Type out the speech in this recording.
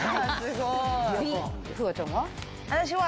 フワちゃんは？